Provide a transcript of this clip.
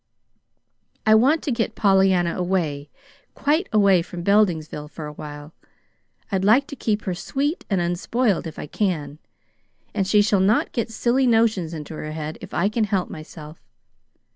I want to get Pollyanna away, quite away from Beldingsville for a while. I'd like to keep her sweet and unspoiled, if I can. And she shall not get silly notions into her head if I can help myself.